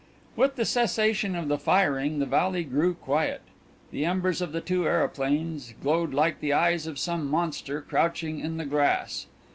With the cessation of the firing the valley grew quiet. The embers of the two aeroplanes glowed like the eyes of some monster crouching in the grass.